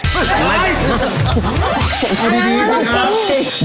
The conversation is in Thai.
คนอะลองสิหน่อย